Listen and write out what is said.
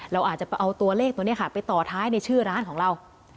เราอาจจะเอาตัวเลขตัวนี้ค่ะไปต่อท้ายในชื่อร้านของเรา